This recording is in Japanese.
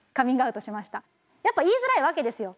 やっぱ言いづらいわけですよ。